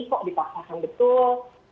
kok dipaksakan betul